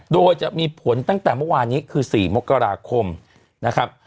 โดยจะมีผลตั้งแต่เมื่อวานนี้คือ๔มกราคมนะครับ